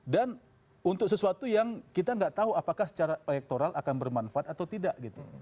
dan untuk sesuatu yang kita gak tahu apakah secara elektoral akan bermanfaat atau tidak gitu